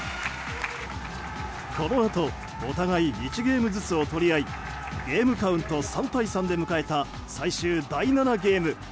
このあとお互い１ゲームずつを取り合いゲームカウント３対３で迎えた最終第７ゲーム。